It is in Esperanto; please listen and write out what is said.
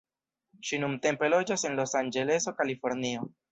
Ŝi nuntempe loĝas en Los-Anĝeleso, Kalifornio.